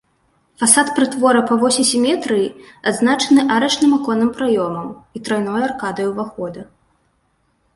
Фасад прытвора па восі сіметрыі адзначаны арачным аконным праёмам і трайной аркадай увахода.